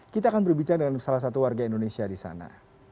kita akan berbicara dengan salah satu warga indonesia di sana